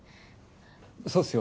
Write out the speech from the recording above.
そうっすよ。